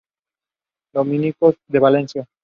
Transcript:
Dominicos de Valencia.